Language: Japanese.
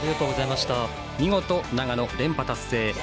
見事、長野が連覇達成。